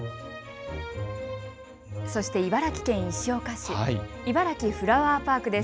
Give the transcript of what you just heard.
そして茨城県石岡市、いばらきフラワーパークです。